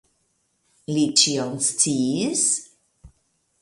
Li ĉion sciis?